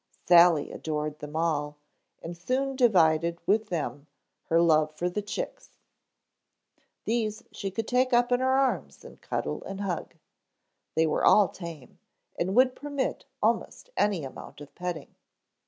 Sally adored them all and soon divided with them her love for the chicks. These she could take up in her arms and cuddle and hug. They were all tame and would permit almost any amount of petting.